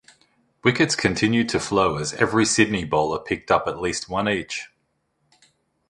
Wickets continued to flow as every Sydney bowler picked up at least one each.